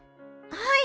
はい。